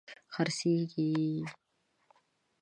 خرڅیږې